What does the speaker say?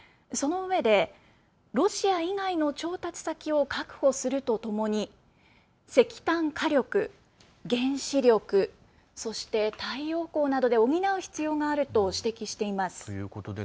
そのうえでロシア以外の調達先を確保するとともに石炭火力、原子力そして太陽光などで補う必要があると指摘しています。